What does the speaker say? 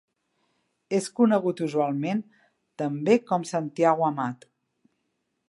És conegut usualment també com Santiago Amat.